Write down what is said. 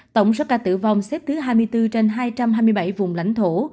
tổng số ca tử vong xếp thứ hai mươi bốn trên hai trăm hai mươi bảy vùng lãnh thổ